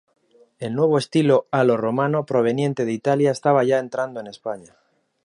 El nuevo estilo "a lo Romano" proveniente de Italia estaba ya entrando en España.